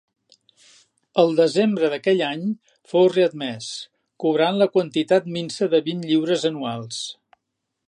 El desembre d’aquell any fou readmès, cobrant la quantitat minsa de vint lliures anuals.